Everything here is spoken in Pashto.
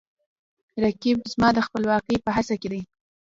رقیب زما د خپلواکۍ په هڅه کې دی